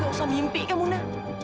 gak usah mimpi kamu nak